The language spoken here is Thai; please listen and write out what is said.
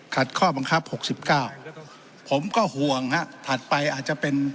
ขัดข้อบังคับหกสิบเก้าผมก็ห่วงฮะถัดไปอาจจะเป็น